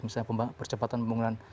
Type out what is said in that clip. misalnya percepatan pembangunan